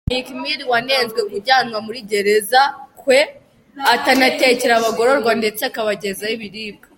Meek Mill wanenze kujyanwa muri gereza kwe anatekera abagororwa ndetse akabagezaho ibiribwa.